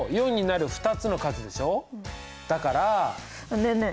ねえねえ。